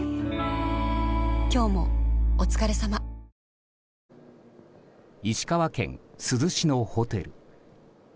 ニトリ石川県珠洲市のホテル。